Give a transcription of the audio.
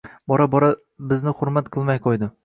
Bora-bora bizni hurmat qilmay qo`ydi